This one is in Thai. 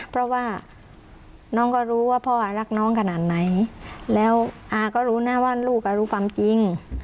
เพราะว่าน้องก็รู้ว่าพ่อรักน้องขนาดไหนแล้วอาก็รู้นะว่าลูกอ่ะรู้ความจริง